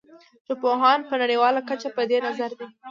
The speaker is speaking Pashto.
ژبپوهان په نړیواله کچه په دې نظر دي